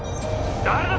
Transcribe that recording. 「誰だ？